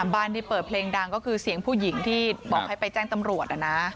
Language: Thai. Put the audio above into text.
บ้านที่เปิดเพลงดังก็คือเสียงผู้หญิงที่บอกให้ไปแจ้งตำรวจ